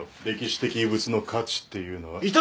歴史的遺物の価値っていうのは。